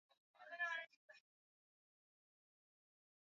Kusini ulikuwa na nyumba kubwa tani nyingi